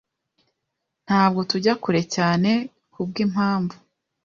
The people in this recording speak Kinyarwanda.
Ntabwo tujya kure cyane kubwimpamvu